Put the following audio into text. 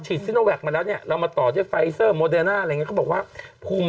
ฉีดมาแล้วเนี้ยเรามาต่อด้วยไฟเซอร์อะไรเขาบอกว่าภูมิ